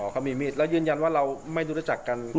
เขามีมีดแล้วยืนยันว่าเราไม่รู้รู้จักกัน